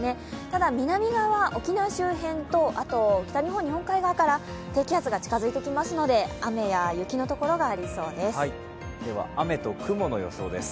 ただ南側、沖縄周辺と北日本日本海側から低気圧が近づいてきますので雨や雪のところがありそうです。